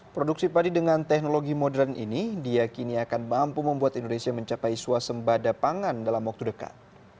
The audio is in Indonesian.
produksi padi dengan teknologi modern ini diakini akan mampu membuat indonesia mencapai suasembada pangan dalam waktu dekat